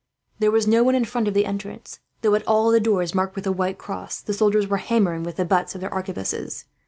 There was no one in front of the entrance, though at all the doors marked with a white cross the soldiers were hammering with the butts of their arquebuses.